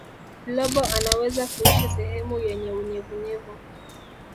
blobo anaweza kuishi sehemu yenye unyevunyevu